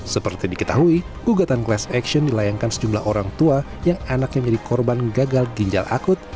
seperti diketahui gugatan class action dilayangkan sejumlah orang tua yang anaknya menjadi korban gagal ginjal akut